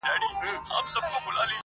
• زه ستا په ځان كي يم ماته پيدا كړه.